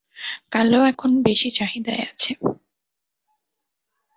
কালো এখন বেশি চাহিদায় আছে।